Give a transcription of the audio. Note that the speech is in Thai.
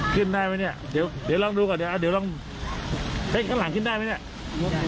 ขึ้นได้ไหมเนี่ยเดี๋ยวลองดูก่อนเดี๋ยวลองเฮ้ยข้างหลังขึ้นได้ไหมเนี่ย